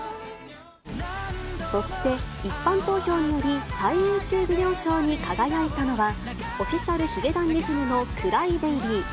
そして一般投票により、最優秀ビデオ賞に輝いたのは、オフィシャル髭男ｄｉｓｍのＣｒｙＢａｂｙ。